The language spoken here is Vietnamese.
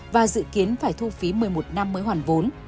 và dự kiến phải thu phí một mươi một năm mới hoàn vốn